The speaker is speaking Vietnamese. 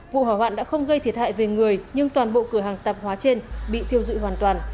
vụ hỏa hoạn đã không gây thiệt hại về người nhưng toàn bộ cửa hàng tạp hóa trên bị thiêu dụi hoàn toàn